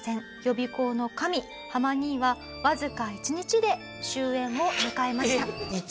予備校の神ハマ兄はわずか１日で終焉を迎えました。